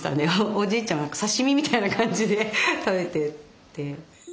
おじいちゃんは刺身みたいな感じで食べてて。